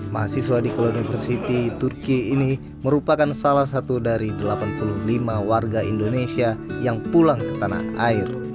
mahasiswa di coloniversity turki ini merupakan salah satu dari delapan puluh lima warga indonesia yang pulang ke tanah air